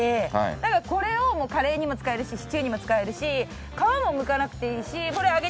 だからこれをカレーにも使えるしシチューにも使えるし皮もむかなくていいし揚げてポテトにも使えるし。